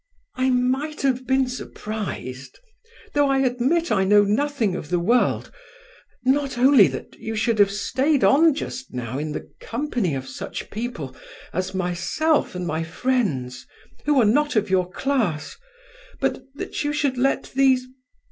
"I might have been surprised (though I admit I know nothing of the world), not only that you should have stayed on just now in the company of such people as myself and my friends, who are not of your class, but that you should let these...